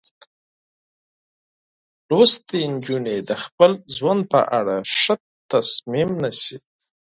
لوستې نجونې د خپل ژوند په اړه ښه تصمیم نیسي.